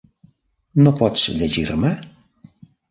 No pots llegir-me?